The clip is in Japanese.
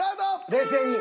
冷静に。